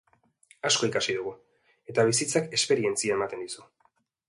Asko ikasi dugu, eta bizitzak esperientzia ematen dizu.